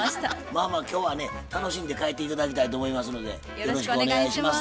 まあまあ今日はね楽しんで帰って頂きたいと思いますのでよろしくお願いします。